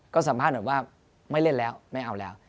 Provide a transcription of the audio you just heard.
ก็สัมภาษณ์แบบว่าไม่เล่นแล้วไม่เอาแล้ว